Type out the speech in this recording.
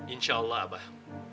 insya allah abah